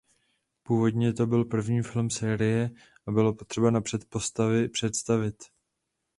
Původně to byl první film série a bylo potřeba napřed postavy představit.